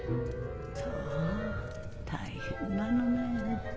そう大変なのねぇ。